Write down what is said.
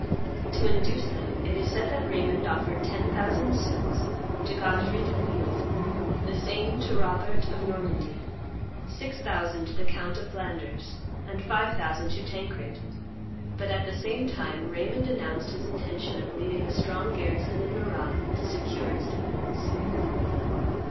To induce them, it is said that Raymond offered ten thousand sous to Godfrey de Bouillon, the same to Robert of Normandy, six thousand to the count of Flanders, and five thousand to Tancred; but, at the same time, Raymond announced his intention of leaving a strong garrison in Marrah to secure its defence.